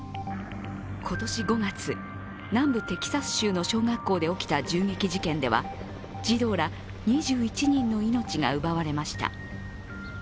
今年５月、南部テキサス州の小学校で起きた銃撃事件では児童ら２１人の命が奪われました。